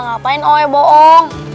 gapain oleh bohong